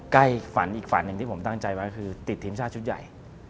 ฝันอีกฝันหนึ่งที่ผมตั้งใจไว้คือติดทีมชาติชุดใหญ่